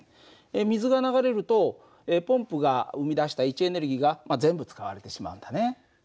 水が流れるとポンプが生み出した位置エネルギーが全部使われてしまうんだね。